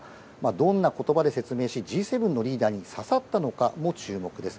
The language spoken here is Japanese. どんな言葉で説明し、Ｇ７のリーダーにささったのかも注目です。